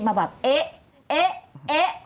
มาแบบเอ๊ะเอ๊ะเอ๊ะ